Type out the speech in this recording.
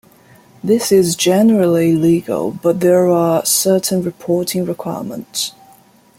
This is generally legal, but there are certain reporting requirements.